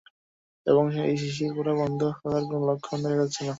এবং, এই শিশির পড়া বন্ধ হওয়ার কোনও লক্ষণ দেখা যাচ্ছে না।